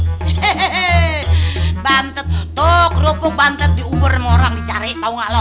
hehehehe bantet tuh kerupuk bantet diuburin orang di cari tau gak lo